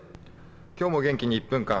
今日も元気に「１分間！